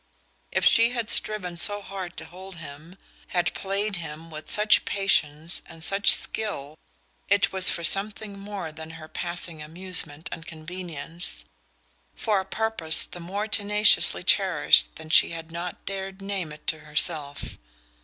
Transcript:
If she had striven so hard to hold him, had "played" him with such patience and such skill, it was for something more than her passing amusement and convenience: for a purpose the more tenaciously cherished that she had not dared name it to herself.